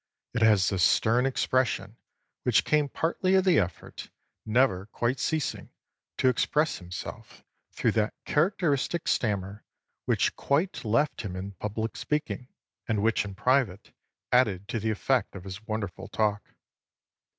It has the stern expression, which came partly of the effort, never quite ceasing, to express himself through that characteristic stammer which quite left him in public speaking, and which in private added to the effect of his wonderful talk.